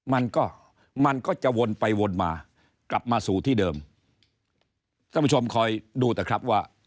มันก็มันก็จะวนไปวนมากลับมาสู่ที่เดิมท่านผู้ชมคอยดูเถอะครับว่า